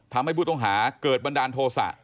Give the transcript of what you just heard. ทำให้ผู้ต้องหาเกิดบันดาลโทษะ